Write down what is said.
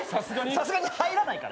さすがに入らないから。